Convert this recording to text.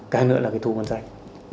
cái nữa là cái thù vận sạch